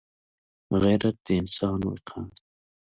غیرت د انسان وقار دی